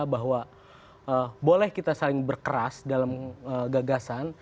bahwa boleh kita saling berkeras dalam gagasan